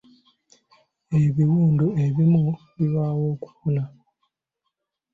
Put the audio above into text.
Ebiwundu ebimu birwawo okuwona.